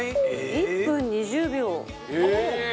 １分２０秒。